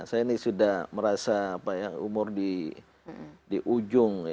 saya ini sudah merasa umur di ujung